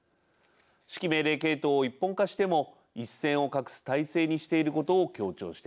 指揮命令系統を一本化しても一線を画す体制にしていることを強調しています。